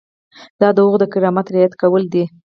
دا د هغوی د کرامت رعایت کول دي.